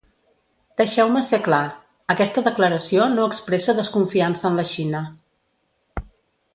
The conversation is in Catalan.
Deixeu-me ser clar: aquesta declaració no expressa desconfiança en la Xina.